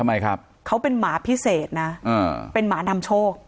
ทำไมครับเขาเป็นหมาพิเศษนะเป็นหมานำโชค